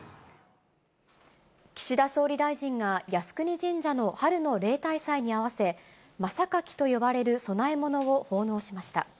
岸田総理大臣が靖国神社の春の例大祭に合わせ、真さかきと呼ばれる供え物を奉納しました。